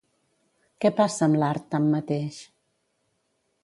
Què passa amb l'art, tanmateix?